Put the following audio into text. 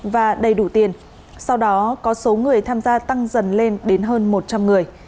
và đầy đủ tiền sau đó có số người tham gia tăng dần lên đến hơn một trăm linh người